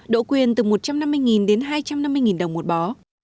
đỗ quyền từ một trăm năm mươi đồng đến hai trăm năm mươi đồng một bó